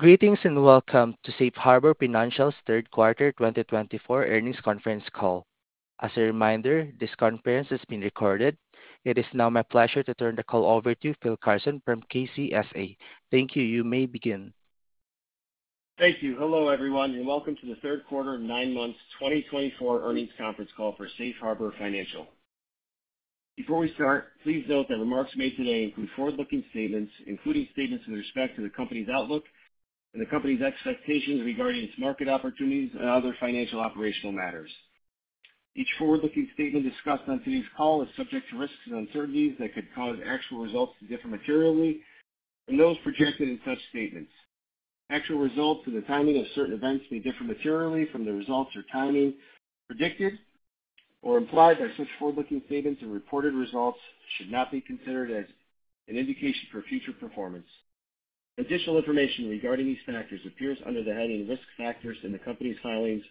Greetings and welcome to Safe Harbor Financial's Q3 2024 earnings conference call. As a reminder, this conference is being recorded. It is now my pleasure to turn the call over to Phil Carlson from KCSA. Thank you, you may begin. Thank you. Hello everyone, and welcome to the Q3 9M 2024 earnings conference call for SHF. Before we start, please note that remarks made today include forward-looking statements, including statements with respect to the company's outlook and the company's expectations regarding its market opportunities and other financial operational matters. Each forward-looking statement discussed on today's call is subject to risks and uncertainties that could cause actual results to differ materially from those projected in such statements. Actual results and the timing of certain events may differ materially from the results or timing predicted or implied by such forward-looking statements, and reported results should not be considered as an indication for future performance. Additional information regarding these factors appears under the heading "Risk Factors" in the company's filings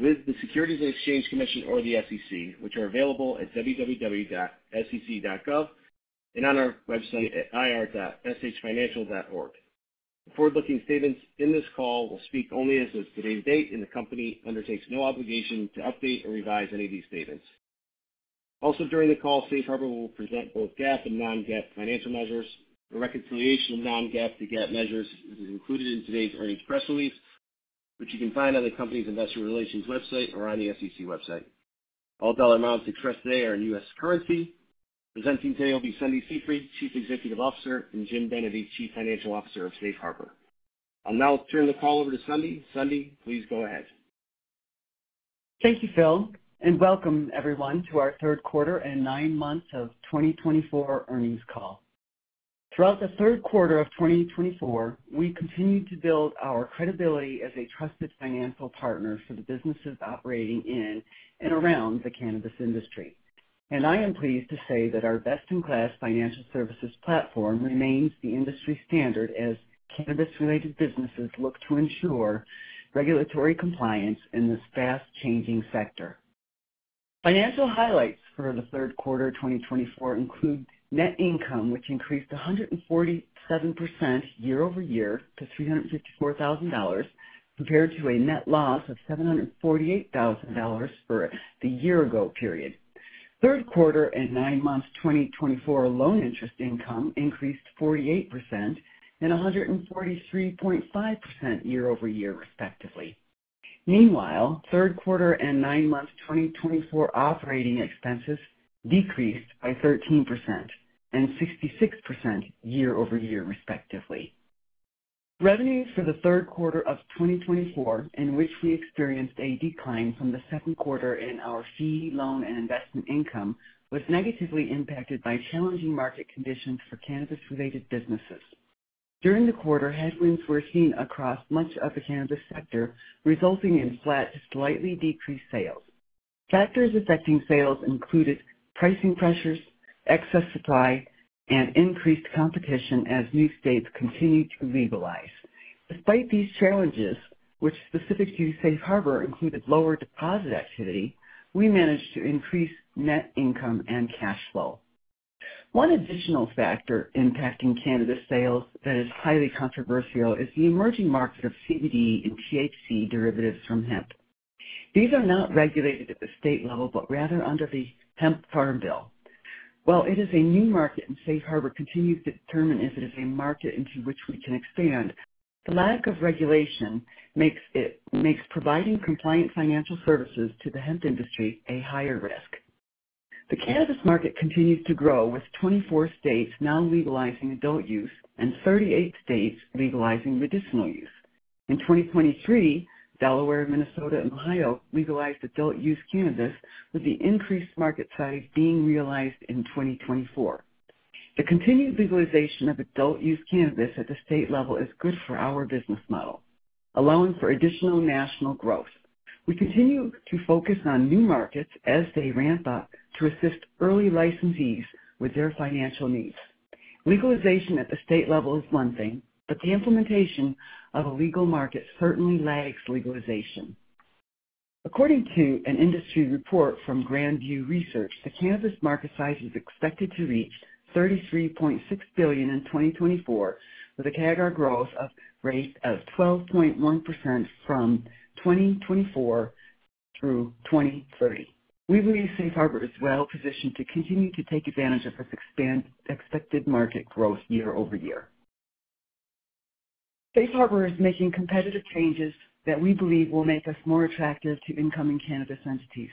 with the Securities and Exchange Commission, or the SEC, which are available at www.sec.gov and on our website at ir.safeharborfinancial.com. Forward-looking statements in this call will speak only as of today's date, and the company undertakes no obligation to update or revise any of these statements. Also, during the call, SHF will present both GAAP and non-GAAP financial measures. The reconciliation of non-GAAP to GAAP measures is included in today's earnings press release, which you can find on the company's investor relations website or on the SEC website. All dollar amounts expressed today are in U.S. currency. Presenting today will be Sundie Seefried, Chief Executive Officer, and Jim Dennedy, Chief Financial Officer of SHF. I'll now turn the call over to Sundie. Sundie, please go ahead. Thank you, Phil, and welcome everyone to our Q3 and 9M of 2024 earnings call. Throughout Q3 of 2024, we continued to build our credibility as a trusted financial partner for the businesses operating in and around the cannabis industry. I am pleased to say that our best-in-class financial services platform remains the industry standard as cannabis-related businesses look to ensure regulatory compliance in this fast-changing sector. Financial highlights for Q3 2024 include net income, which increased 147% year-over-year to $354,000, compared to a net loss of $748,000 for the year-ago period. Q3 and 9M 2024 loan interest income increased 48% and 143.5% year-over-year, respectively. Meanwhile, Q3 and 9M 2024 operating expenses decreased by 13% and 66% year-over-year, respectively. Revenues for Q3 of 2024, in which we experienced a decline from Q2 in our fee, loan, and investment income, was negatively impacted by challenging market conditions for cannabis-related businesses. During the quarter, headwinds were seen across much of the cannabis sector, resulting in flat to slightly decreased sales. Factors affecting sales included pricing pressures, excess supply, and increased competition as new states continued to legalize. Despite these challenges, which specifically to SHF included lower deposit activity, we managed to increase net income and cash flow. One additional factor impacting cannabis sales that is highly controversial is the emerging market of CBD and THC derivatives from hemp. These are not regulated at the state level but rather under the Hemp Farm Bill. While it is a new market, SHF continues to determine if it is a market into which we can expand. The lack of regulation makes providing compliant financial services to the hemp industry a higher risk. The cannabis market continues to grow, with 24 states now legalizing adult-use and 38 states legalizing medicinal use. In 2023, Delaware, Minnesota, and Ohio legalized adult-use cannabis, with the increased market size being realized in 2024. The continued legalization of adult-use cannabis at the state level is good for our business model, allowing for additional national growth. We continue to focus on new markets as they ramp up to assist early licensees with their financial needs. Legalization at the state level is one thing, but the implementation of a legal market certainly lags legalization. According to an industry report from Grand View Research, the cannabis market size is expected to reach $33.6 billion in 2024, with a CAGR growth rate of 12.1% from 2024 through 2030. We believe SHF is well-positioned to continue to take advantage of its expected market growth year-over-year. SHF is making competitive changes that we believe will make us more attractive to incoming cannabis entities.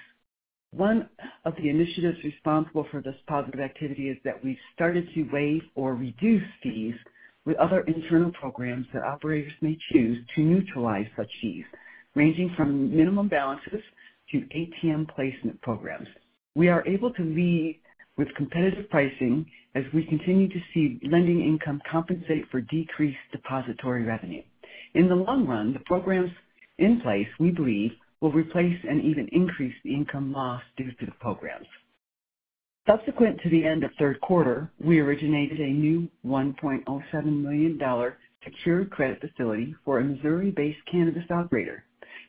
One of the initiatives responsible for this positive activity is that we've started to waive or reduce fees with other internal programs that operators may choose to neutralize such fees, ranging from minimum balances to ATM placement programs. We are able to lead with competitive pricing as we continue to see lending income compensate for decreased depository revenue. In the long run, the programs in place, we believe, will replace and even increase the income lost due to the programs. Subsequent to the end of Q3, we originated a new $1.07 million secured credit facility for a Missouri-based cannabis operator.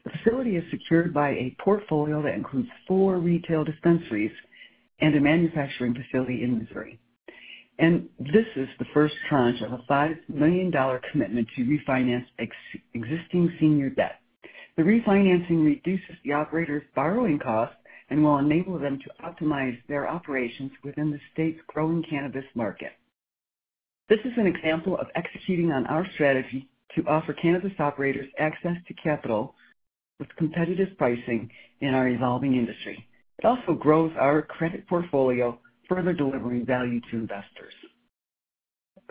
The facility is secured by a portfolio that includes four retail dispensaries and a manufacturing facility in Missouri and this is the first tranche of a $5 million commitment to refinance existing senior debt. The refinancing reduces the operator's borrowing costs and will enable them to optimize their operations within the state's growing cannabis market. This is an example of executing on our strategy to offer cannabis operators access to capital with competitive pricing in our evolving industry. It also grows our credit portfolio, further delivering value to investors.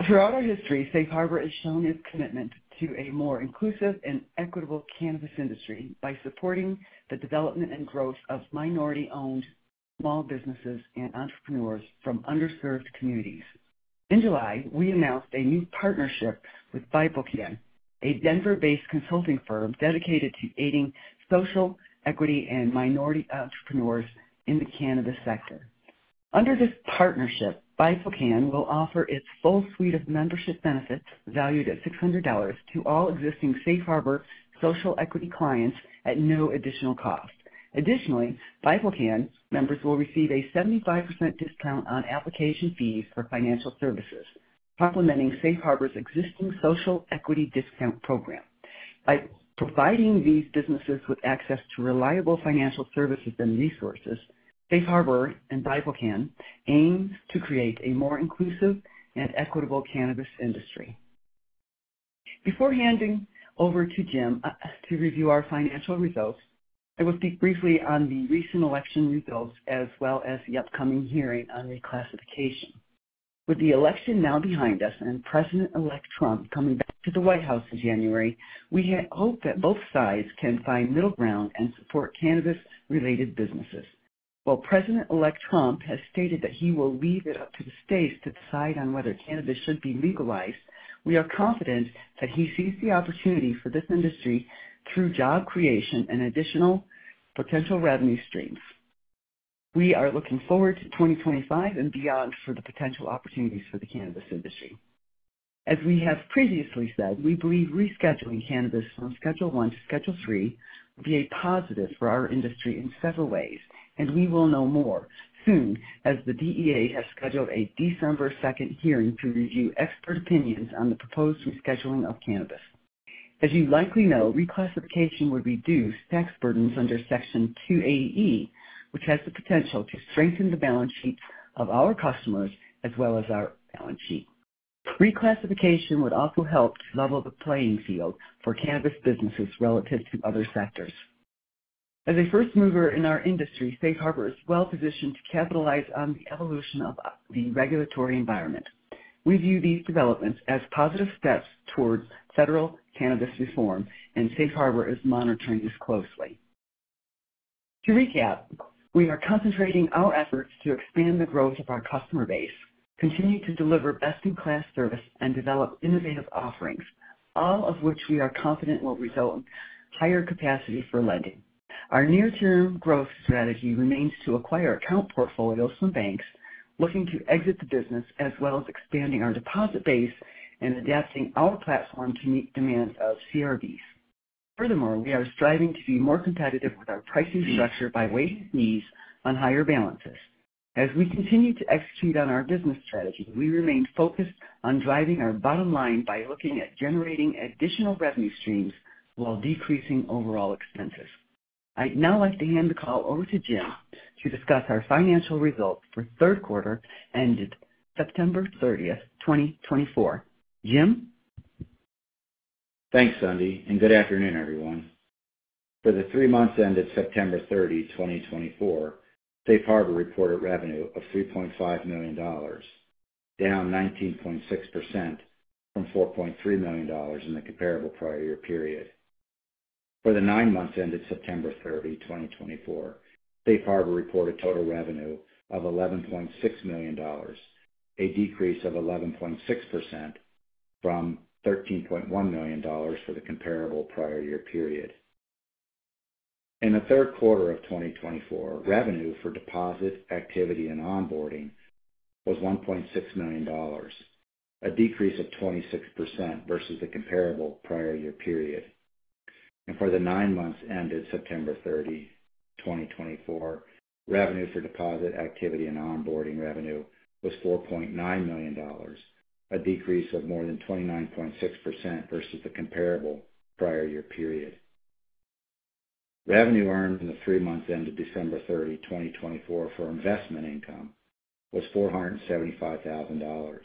Throughout our history, SHF has shown its commitment to a more inclusive and equitable cannabis industry by supporting the development and growth of minority-owned small businesses and entrepreneurs from underserved communities. In July, we announced a new partnership with Bifocal, a Denver-based consulting firm dedicated to aiding social equity and minority entrepreneurs in the cannabis sector. Under this partnership, Bifocal will offer its full suite of membership benefits valued at $600 to all existing SHF social equity clients at no additional cost. Additionally, Bifocal members will receive a 75% discount on application fees for financial services, complementing SHF's existing social equity discount program. By providing these businesses with access to reliable financial services and resources, SHF and Bifocal aim to create a more inclusive and equitable cannabis industry. Before handing over to Jim to review our financial results, I will speak briefly on the recent election results as well as the upcoming hearing on reclassification. With the election now behind us and President-elect Trump coming back to the White House in January, we hope that both sides can find middle ground and support cannabis-related businesses. While President-elect Trump has stated that he will leave it up to the states to decide on whether cannabis should be legalized, we are confident that he sees the opportunity for this industry through job creation and additional potential revenue streams. We are looking forward to 2025 and beyond for the potential opportunities for the cannabis industry. As we have previously said, we believe rescheduling cannabis from Schedule I to Schedule III will be a positive for our industry in several ways, and we will know more soon as the DEA has scheduled a December 2nd hearing to review expert opinions on the proposed rescheduling of cannabis. As you likely know, reclassification would reduce tax burdens under Section 280E, which has the potential to strengthen the balance sheets of our customers as well as our balance sheet. Reclassification would also help to level the playing field for cannabis businesses relative to other sectors. As a first mover in our industry, SHF is well-positioned to capitalize on the evolution of the regulatory environment. We view these developments as positive steps towards federal cannabis reform, and SHF is monitoring this closely. To recap, we are concentrating our efforts to expand the growth of our customer base, continue to deliver best-in-class service, and develop innovative offerings, all of which we are confident will result in higher capacity for lending. Our near-term growth strategy remains to acquire account portfolios from banks looking to exit the business, as well as expanding our deposit base and adapting our platform to meet demands of CRBs. Furthermore, we are striving to be more competitive with our pricing structure by waiving fees on higher balances. As we continue to execute on our business strategy, we remain focused on driving our bottom line by looking at generating additional revenue streams while decreasing overall expenses. I'd now like to hand the call over to Jim to discuss our financial results for Q3 ended September 30, 2024. Jim? Thanks, Sundie, and good afternoon, everyone. For the three months ended September 30, 2024, SHF reported revenue of $3.5 million, down 19.6% from $4.3 million in the comparable prior year period. For the nine months ended September 30, 2024, SHF reported total revenue of $11.6 million, a decrease of 11.6% from $13.1 million for the comparable prior year period. In Q3 of 2024, revenue for deposit activity and onboarding was $1.6 million, a decrease of 26% versus the comparable prior year period. For the nine months ended September 30, 2024, revenue for deposit activity and onboarding revenue was $4.9 million, a decrease of more than 29.6% versus the comparable prior year period. Revenue earned in the three months ended December 30, 2024, for investment income was $475,000,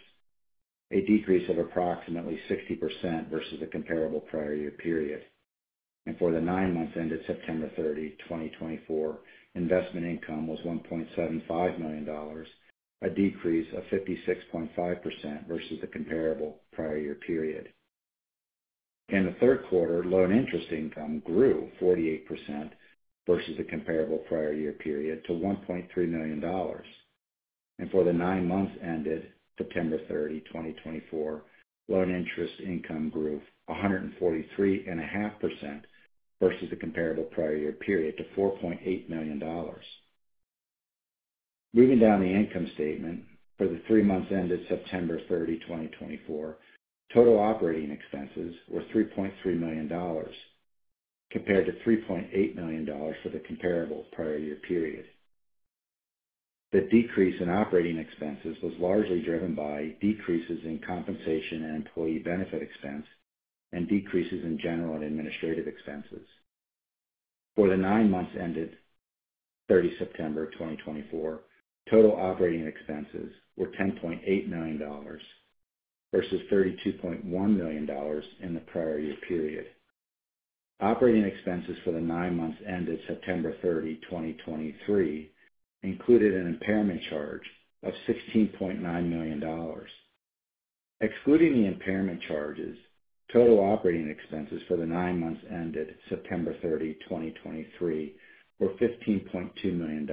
a decrease of approximately 60% versus the comparable prior year period. And for the nine months ended September 30, 2024, investment income was $1.75 million, a decrease of 56.5% versus the comparable prior year period. In Q3, loan interest income grew 48% versus the comparable prior year period to $1.3 million. And for the nine months ended September 30, 2024, loan interest income grew 143.5% versus the comparable prior year period to $4.8 million. Moving down the income statement, for the three months ended September 30, 2024, total operating expenses were $3.3 million, compared to $3.8 million for the comparable prior year period. The decrease in operating expenses was largely driven by decreases in compensation and employee benefit expense, and decreases in general and administrative expenses. For the nine months ended September 30, 2024, total operating expenses were $10.8 million versus $32.1 million in the prior year period. Operating expenses for the nine months ended September 30, 2023, included an impairment charge of $16.9 million. Excluding the impairment charges, total operating expenses for the nine months ended September 30, 2023, were $15.2 million.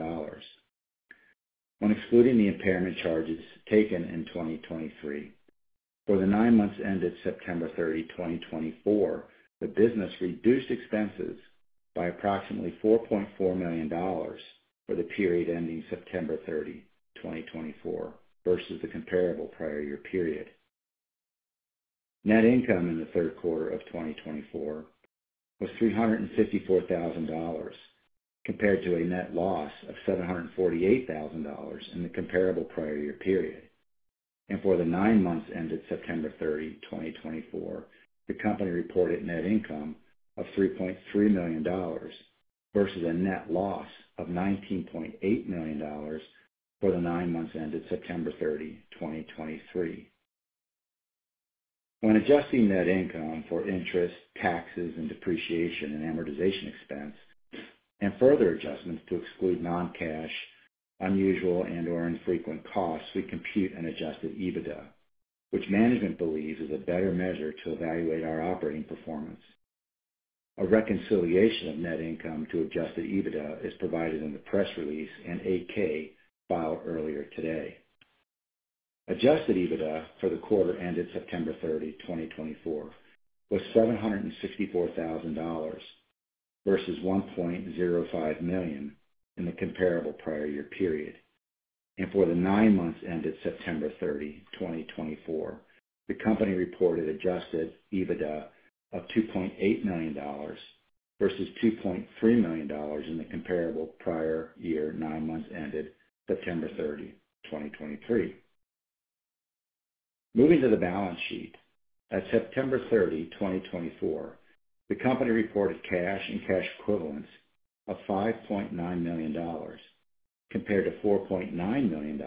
When excluding the impairment charges taken in 2023, for the nine months ended September 30, 2024, the business reduced expenses by approximately $4.4 million for the period ending September 30, 2024, versus the comparable prior year period. Net income in the Q3 of 2024 was $354,000, compared to a net loss of $748,000 in the comparable prior year period, and for the nine months ended September 30, 2024, the company reported net income of $3.3 million versus a net loss of $19.8 million for the nine months ended September 30, 2023. When adjusting net income for interest, taxes, and depreciation and amortization expense, and further adjustments to exclude non-cash, unusual, and/or infrequent costs, we compute an Adjusted EBITDA, which management believes is a better measure to evaluate our operating performance. A reconciliation of net income to Adjusted EBITDA is provided in the press release and 8-K filed earlier today. Adjusted EBITDA for the quarter ended September 30, 2024, was $764,000 versus $1.05 million in the comparable prior year period. And for the nine months ended September 30, 2024, the company reported Adjusted EBITDA of $2.8 million versus $2.3 million in the comparable prior year nine months ended September 30, 2023. Moving to the balance sheet, at September 30, 2024, the company reported cash and cash equivalents of $5.9 million, compared to $4.9 million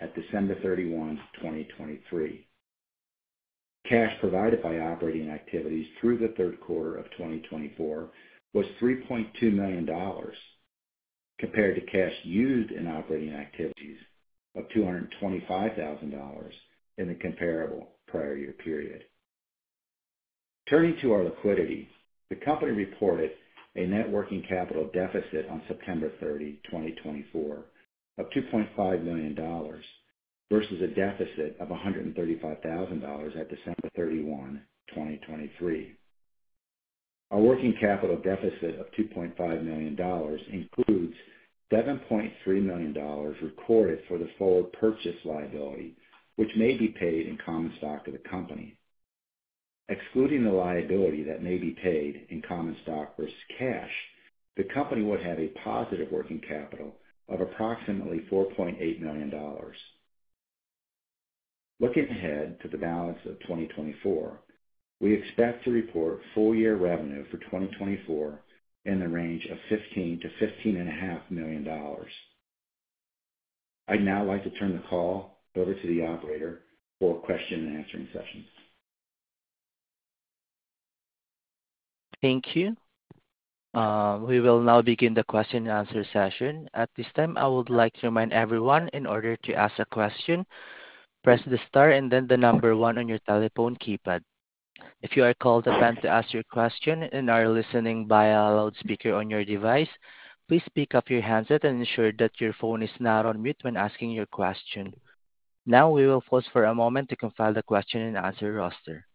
at December 31, 2023. Cash provided by operating activities through the Q3 of 2024 was $3.2 million, compared to cash used in operating activities of $225,000 in the comparable prior year period. Turning to our liquidity, the company reported a net working capital deficit on September 30, 2024, of $2.5 million versus a deficit of $135,000 at December 31, 2023. Our working capital deficit of $2.5 million includes $7.3 million recorded for the forward purchase liability, which may be paid in common stock to the company. Excluding the liability that may be paid in common stock versus cash, the company would have a positive working capital of approximately $4.8 million. Looking ahead to the balance of 2024, we expect to report full-year revenue for 2024 in the range of $15-$15.5 million. I'd now like to turn the call over to the operator for question and answer session. Thank you. We will now begin the question and answer session. At this time, I would like to remind everyone, in order to ask a question, press the star and then the number one on your telephone keypad. If you are called upon to ask your question and are listening via loudspeaker on your device, please pick up your handset and ensure that your phone is not on mute when asking your question. Now, we will pause for a moment to compile the question and answer roster.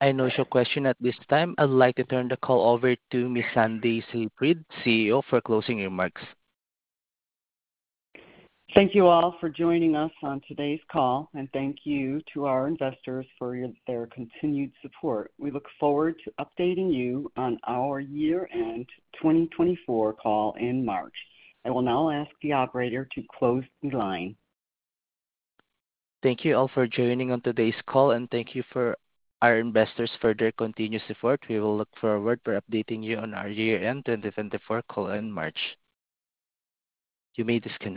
We have no questions at this time. I'd like to turn the call over to Ms. Sundie Seefried, CEO, for closing remarks. Thank you all for joining us on today's call, and thank you to our investors for their continued support. We look forward to updating you on our year-end 2024 call in March. I will now ask the operator to close the line. Thank you all for joining on today's call, and thank you for our investors' further continued support. We will look forward to updating you on our year-end 2024 call in March. You may disconnect.